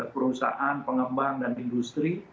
perusahaan pengembang dan industri